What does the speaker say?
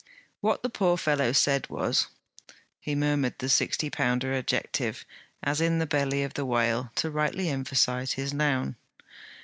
What the poor fellow said was ' He murmured the sixty pounder adjective, as in the belly of the whale, to rightly emphasize his noun.